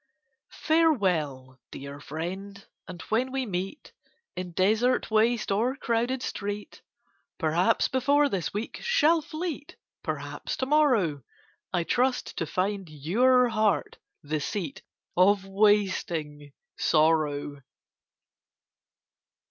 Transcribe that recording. Farewell, dear friend, and when we meet, In desert waste or crowded street, Perhaps before this week shall fleet, Perhaps to morrow. I trust to find your heart the seat Of wasting sorrow.